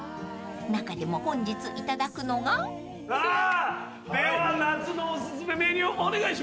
［中でも本日いただくのが］では夏のおすすめメニューお願いします！